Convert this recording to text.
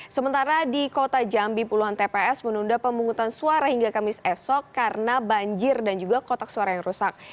sementara di kota jambi puluhan tps menunda pemungutan suara hingga kamis esok karena banjir dan juga kotak suara yang rusak